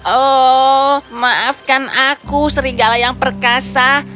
oh maafkan aku serigala yang perkasa